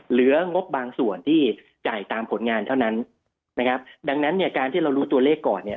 งบบางส่วนที่จ่ายตามผลงานเท่านั้นนะครับดังนั้นเนี่ยการที่เรารู้ตัวเลขก่อนเนี่ย